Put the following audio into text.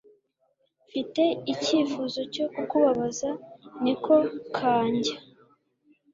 Mfite icyifuzo cyo kukubaza NekoKanjya